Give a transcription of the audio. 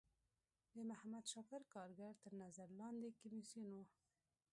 د محمد شاکر کارګر تر نظر لاندی کمیسیون و.